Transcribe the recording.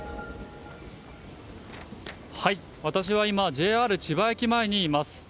私は今、ＪＲ千葉駅前にいます。